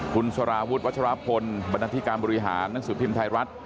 คุณสารวุฒิวัชรพลบรรณาธิการบริหารหนังสือพิมพ์ไทยรัฐ